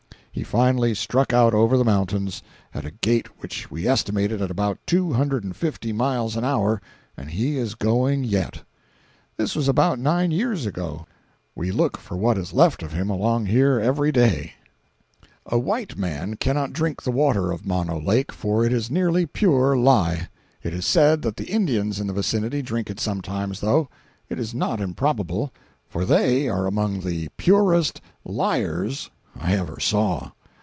He finally struck out over the mountains, at a gait which we estimated at about two hundred and fifty miles an hour, and he is going yet. This was about nine years ago. We look for what is left of him along here every day. 266b.jpg (51K) A white man cannot drink the water of Mono Lake, for it is nearly pure lye. It is said that the Indians in the vicinity drink it sometimes, though. It is not improbable, for they are among the purest liars I ever saw.